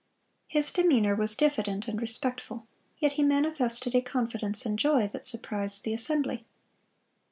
His demeanor was diffident and respectful; yet he manifested a confidence and joy that surprised the assembly.